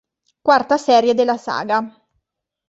Quarta serie della saga.